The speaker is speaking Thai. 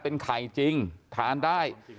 เป็นไข่จริงทานได้